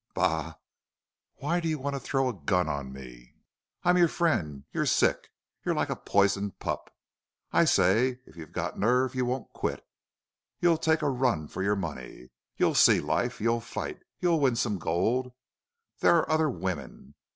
"Bah!... Why do you want to throw a gun on me? I'm your friend: You're sick. You're like a poisoned pup. I say if you've got nerve you won't quit. You'll take a run for your money. You'll see life. You'll fight. You'll win some gold. There are other women.